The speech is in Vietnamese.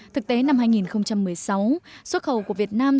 thực tế năm hai nghìn một mươi sáu xuất khẩu của việt nam